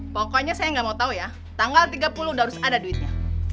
pokoknya saya nggak mau tahu ya tanggal tiga puluh udah harus ada duitnya